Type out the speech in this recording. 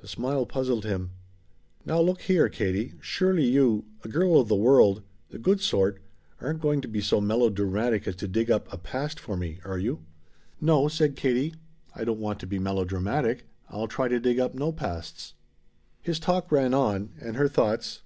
The smile puzzled him. "Now look here, Katie, surely you a girl of the world the good sort aren't going to be so melodramatic as to dig up a 'past' for me, are you?" "No," said Katie, "I don't want to be melodramatic. I'll try to dig up no pasts." His talk ran on, and her thoughts.